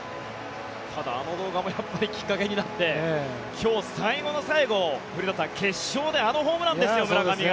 ただ、あの動画もきっかけになって今日、最後の最後古田さん、決勝であのホームランですよ村上が。